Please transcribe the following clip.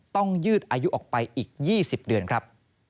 ยืดอายุออกไปอีก๒๐เดือนครับ